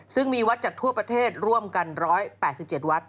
ซึ่งมีวัดจากทั่วประเทศร่วมกัน๑๘๗วัด